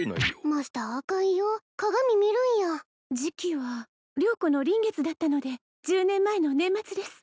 マスターあかんよ鏡見るんや時期は良子の臨月だったので１０年前の年末です